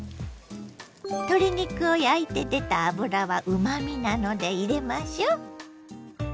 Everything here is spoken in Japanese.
鶏肉を焼いて出た脂はうまみなので入れましょ。